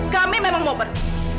kami memang mau pergi